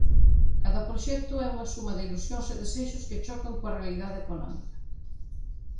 Cada proxecto é unha suma de ilusións e desexos que chocan coa realidade económica.